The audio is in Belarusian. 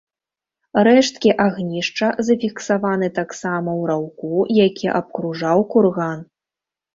Рэшткі агнішча зафіксаваны таксама ў раўку, які абкружаў курган.